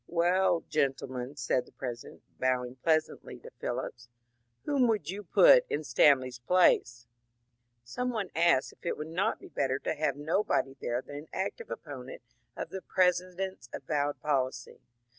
*^ Well, gentlemen," said the President, bowing pleasantly to Phillips, *^ whom would yon put in Stan 380 MONCURE DANIEL CONWAY ley's place ?'' Some one asked if it would not be better to have nobody there than an active opponent of the President's avowed policy.